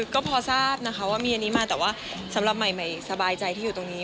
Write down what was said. ก็พอทราบนะคะว่ามีอันนี้มาแต่ว่าสำหรับใหม่สบายใจที่อยู่ตรงนี้